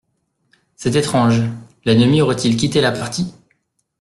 C'est étrange, l'ennemi aurait-il quitté la partie ?.